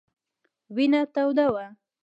وینه توده وه.